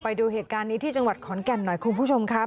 ไปดูเหตุการณ์นี้ที่จังหวัดขอนแก่นหน่อยคุณผู้ชมครับ